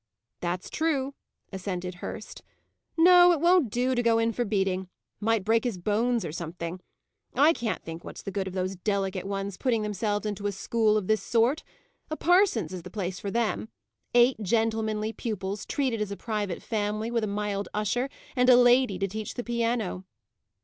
"That's true," assented Hurst. "No, it won't do to go in for beating; might break his bones, or something. I can't think what's the good of those delicate ones putting themselves into a school of this sort. A parson's is the place for them; eight gentlemanly pupils, treated as a private family, with a mild usher, and a lady to teach the piano."